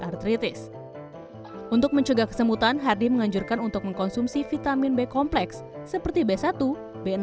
artritis untuk mencegah kesemutan hardy menganjurkan untuk mengkonsumsi vitamin b kompleks seperti b satu b enam